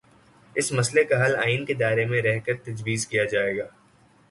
اس مسئلے کا حل آئین کے دائرے میں رہ کرتجویز کیا جائے گا۔